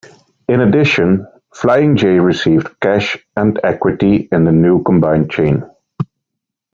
In addition, Flying J received cash and equity in the new combined chain.